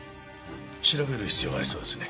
調べる必要がありそうですね。